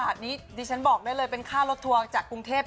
ที่ฉันบอกได้เลยว่าเป็นค่ารถทัวร์จากกรุงเทพฯ